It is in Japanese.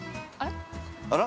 ◆あら？